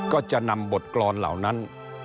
ก็จะนำบทกรรมเหล่านั้น